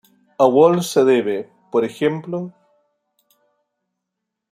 A Wolff se debe, p. ej.